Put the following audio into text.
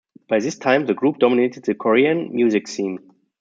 By this time, the group dominated the Korean music scene.